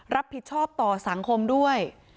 รับผิดชอบต่อสังคมด้วย